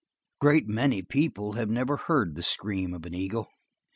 A great many people have never heard the scream of an eagle.